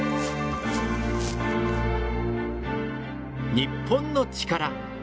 『日本のチカラ』